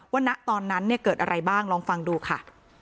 ณตอนนั้นเนี่ยเกิดอะไรบ้างลองฟังดูค่ะ